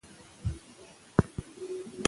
پوهاند کاکړ د ابدالیانو د کوچ په اړه څېړنه کړې ده.